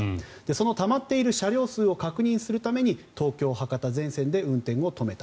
そのたまっている車両数を確認するために東京博多全線で運転を止めた。